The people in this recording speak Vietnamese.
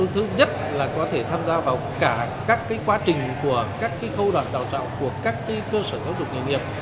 thứ nhất là có thể tham gia vào cả các quá trình của các khâu đoạn đào tạo của các cơ sở giáo dục nghiệp